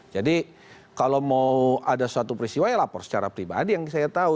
jadi kalau mau ada suatu peristiwa ya lapor secara pribadi yang saya tahu